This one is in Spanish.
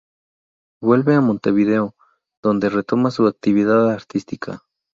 Vuelve a Montevideo, donde retoma su actividad artística.